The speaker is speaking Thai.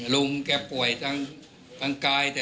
ลุงแกป่วยทั้งกาย